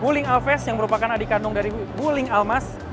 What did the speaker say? wuling alves yang merupakan adik kandung dari wuling almas